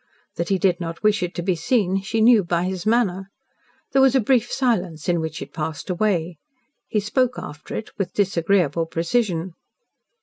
That he did not wish it to be seen she knew by his manner. There was a brief silence in which it passed away. He spoke after it, with disagreeable precision.